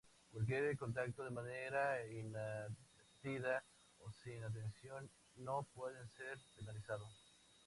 Cualquier contacto de manera inadvertida o sin intención, no puede ser penalizado.